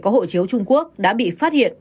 có hộ chiếu trung quốc đã bị phát hiện